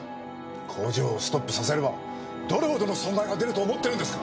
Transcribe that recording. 工場をストップさせればどれほどの損害が出ると思ってるんですか！